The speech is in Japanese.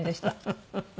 フフフフ！